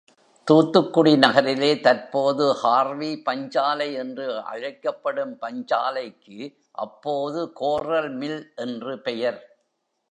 தூத்துக்குடி நகரிலே தற்போது ஹார்வி பஞ்சாலை என்று அழைக்கப்படும் பஞ்சாலைக்கு அப்போது கோரல்மில் என்று பெயர்.